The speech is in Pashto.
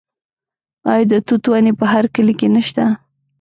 آیا د توت ونې په هر کلي کې نشته؟